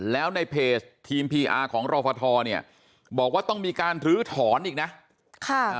แล้วในเพจทีมพีอาร์ของรอฟทเนี่ยบอกว่าต้องมีการลื้อถอนอีกนะค่ะ